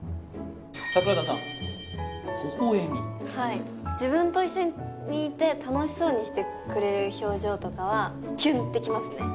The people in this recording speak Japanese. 桜田さんほほ笑み自分と一緒にいて楽しそうにしてくれる表情とかはキュンってきますね